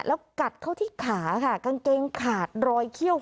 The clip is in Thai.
แล้วกัดเข้าที่ขาค่ะกางเกงขาดรอยเขี้ยว